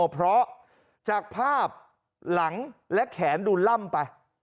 เพราะจากภาพหลังและแขนดูล่ำไป